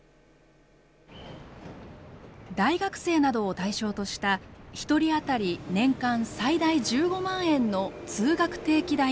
大学生などを対象とした１人あたり年間最大１５万円の通学定期代の助成。